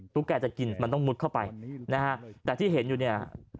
แกจะกินมันต้องมุดเข้าไปนะฮะแต่ที่เห็นอยู่เนี่ย